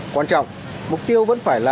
quan trọng mục tiêu vẫn phải là